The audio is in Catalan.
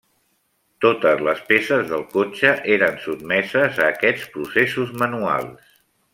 Totes les peces del cotxe eren sotmeses a aquests processos manuals.